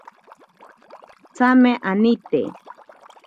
Tsame anite.